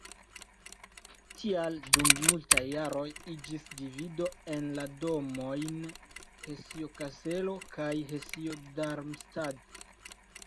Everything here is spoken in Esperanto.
Tial dum multaj jaroj iĝis divido en la domojn Hesio-Kaselo kaj Hesio-Darmstadt.